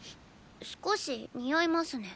少し臭いますね。